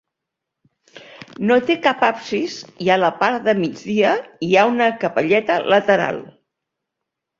No té cap absis i a la part de migdia hi ha una capelleta lateral.